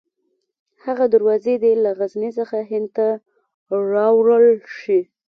هغه دروازې دې له غزني څخه هند ته راوړل شي.